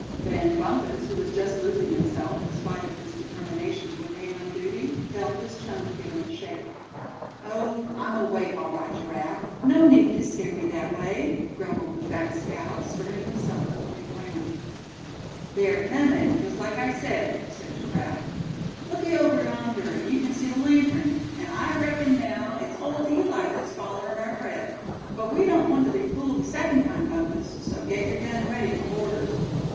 Then Bumpus, who was just losing himself, in spite of his determination to remain on duty, felt his chum give him a shake. "Oh! I'm awake, all right, Giraffe; no need to scare me that way!" grumbled the fat scout, stirring himself, and looking around. "They're coming, just like I said," said Giraffe. "Looky over yonder, and you c'n see the lantern; and I reckon now, it's old Eli that's followerin' our trail. But we don't want to be fooled a second time, Bumpus, so get your gun ready for boarders."